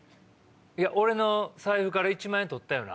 俺の財布から一万円取ったよな。